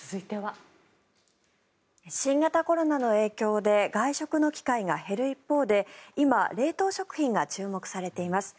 新型コロナの影響で外食の機会が減る一方で今、冷凍食品が注目されています。